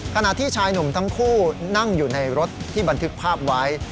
ขณะที่ชายหนุ่มทั้งคู่นั่งอยู่ในรถที่บันทึกภาพไว้